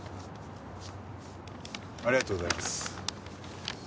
ありがとうございます。